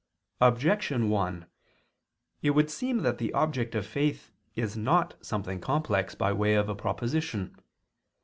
Objection 1: It would seem that the object of faith is not something complex by way of a proposition.